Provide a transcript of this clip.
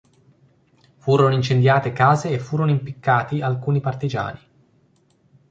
Furono incendiate case e furono impiccati alcuni partigiani.